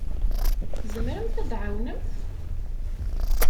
Tzemremt ad d-tɛawnemt?